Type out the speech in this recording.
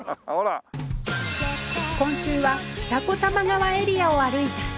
今週は二子玉川エリアを歩いた純ちゃん